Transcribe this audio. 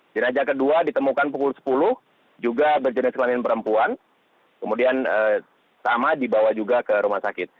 jenajah kedua ditemukan pukul sepuluh juga berjenis kelamin perempuan kemudian sama dibawa juga ke rumah sakit